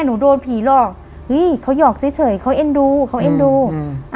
หนูโดนผีหลอกเฮ้ยเขาหยอกเฉยเฉยเขาเอ็นดูเขาเอ็นดูอืม